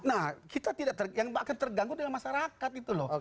nah yang akan terganggu adalah masyarakat itu loh